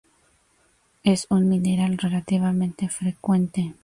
Es un mineral relativamente frecuente.